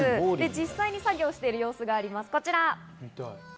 実際に作業している様子が、こちら。